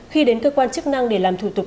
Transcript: khi đến cơ quan chức năng để làm thủ tục